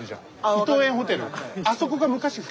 伊東園ホテル。